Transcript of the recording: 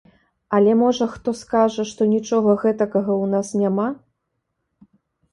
Але можа хто скажа, што нічога гэтакага ў нас няма?